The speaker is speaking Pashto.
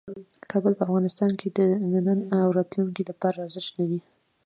کابل په افغانستان کې د نن او راتلونکي لپاره ارزښت لري.